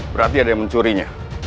berarti ada yang mencurinya